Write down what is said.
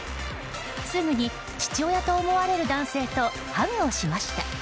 すぐに父親と思われる男性とハグをしました。